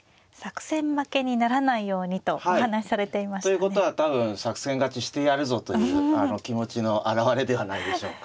ということは多分作戦勝ちしてやるぞという気持ちの表れではないでしょうか。